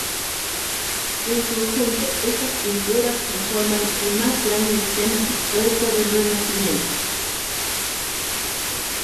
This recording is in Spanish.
En conjunto, estas pinturas conforman el más grande esquema pictórico del Renacimiento.